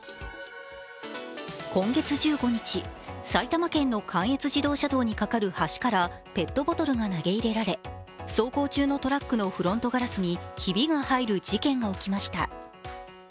今月１５日、埼玉県の関越自動車道にかかる橋からペットボトルが投げ入れられ、走行中のトラックのフロントガラスにひびが入る事件が起きました。